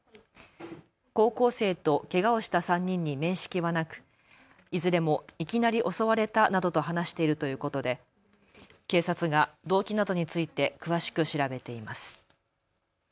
高校生とけがをした３人に面識はなくいずれもいきなり襲われたなどと話しているということで警察が動機などについて詳しく調べています。